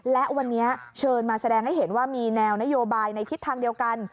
และวันนี้เชิญมาแสดงให้เห็นว่ามีแนวนโยบายในทิศทางเดียวกัน